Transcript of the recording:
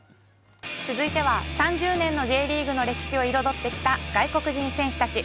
続いては３０年のＪリーグの歴史を彩ってきた外国人選手たち。